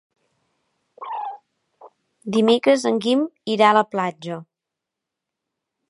Dimecres en Guim irà a la platja.